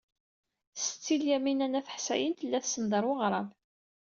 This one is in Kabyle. Setti Lyamina n At Ḥsayen tella tsenned ɣer weɣrab.